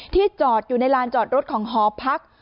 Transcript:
ที่จอดอยู่ในลานจอดรถของหอพัก